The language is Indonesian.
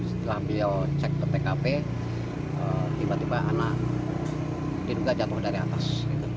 setelah beliau cek ke tkp tiba tiba anak diduga jatuh dari atas